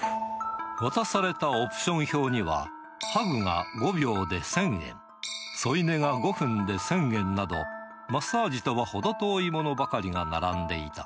渡されたオプション表には、ハグが５秒で１０００円、添い寝が５分で１０００円など、マッサージとは程遠いものが並んでいた。